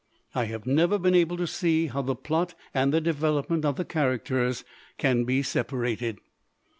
I have never been able to see how the plot and the de velopment of the characters can be separated.